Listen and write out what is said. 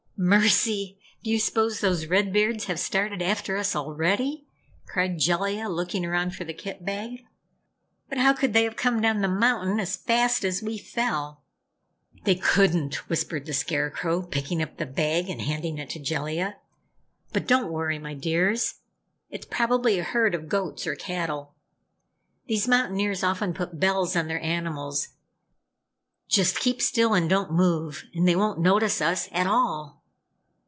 "Mercy, do you suppose those Red Beards have started after us already?" cried Jellia looking around for the kit bag. "But how could they have come down the mountain as fast as we fell?" "They couldn't," whispered the Scarecrow, picking up the bag and handing it to Jellia. "But don't worry, my dears! It's probably a herd of goats or cattle. These mountaineers often put bells on their animals. Just keep still and don't move and they won't notice us at all."